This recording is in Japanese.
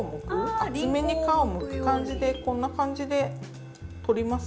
厚めに皮をむく感じでこんな感じで取ります。